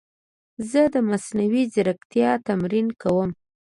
زه د مصنوعي ځیرکتیا تمرین کوم.